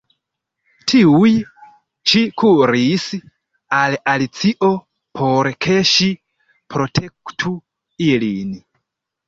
Tiuj ĉi kuris al Alicio por ke ŝi protektu ilin.